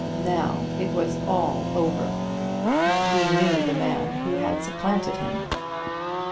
Now it was all over, and he knew the man who had supplanted him!